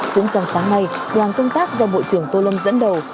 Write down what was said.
cũng trong sáng nay đoàn công tác do bộ trưởng tô lâm dẫn đầu